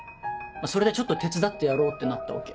それでちょっと手伝ってやろうってなったわけ。